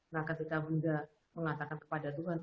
nah ketika bunda mengatakan kepada tuhan